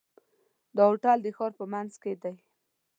دا هوټل د ښار په منځ کې دی.